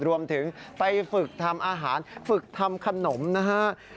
รวมถึงไปฝึกทำอาหารฝึกทำขนมนะฮะ